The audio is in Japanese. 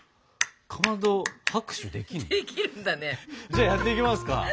じゃあやっていきますか。